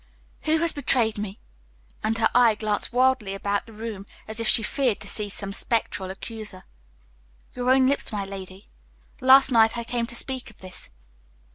"Who has betrayed me?" And her eye glanced wildly about the room, as if she feared to see some spectral accuser. "Your own lips, my lady. Last night I came to speak of this.